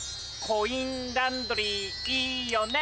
コインランドリーいいよね